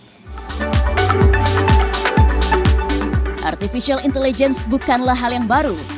artificial intelligence bukanlah hal yang baru